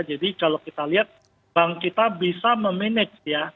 jadi kalau kita lihat bank kita bisa memanage ya